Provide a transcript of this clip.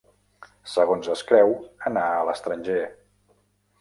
Segons es creu, anà a l'estranger.